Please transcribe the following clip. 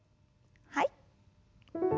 はい。